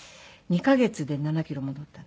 ２カ月で７キロ戻った？